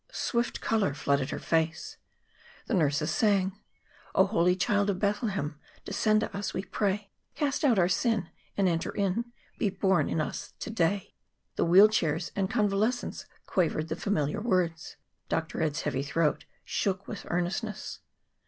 Swift color flooded her face. The nurses sang: "O holy Child of Bethlehem! Descend to us, we pray; Cast out our sin, and enter in, Be born in us to day." The wheel chairs and convalescents quavered the familiar words. Dr. Ed's heavy throat shook with earnestness.